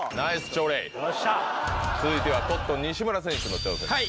続いてはコットン・西村選手の挑戦です。